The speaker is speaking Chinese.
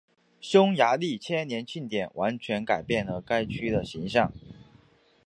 匈牙利千年庆典完全改变了该区的形象。